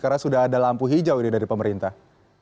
karena sudah ada lampu hijau dari pemerintah